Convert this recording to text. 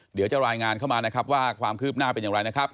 เดี๋ยวจะรายงานเข้ามานะครับว่าความคืบหน้าเป็นอย่างไรนะครับ